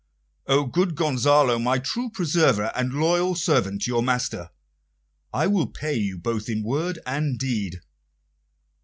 "O good Gonzalo, my true preserver, and loyal servant to your master, I will pay you both in word and deed.